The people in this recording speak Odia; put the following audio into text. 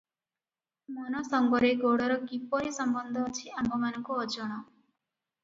ମନ ସଙ୍ଗରେ ଗୋଡ଼ର କିପରି ସମ୍ବନ୍ଧ ଅଛି ଆମ୍ଭମାନଙ୍କୁ ଅଜଣା ।